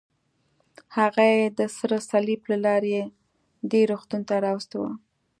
هغه یې د سره صلیب له لارې دې روغتون ته راوستی و.